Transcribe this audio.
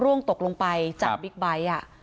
ต่างฝั่งในบอสคนขีดบิ๊กไบท์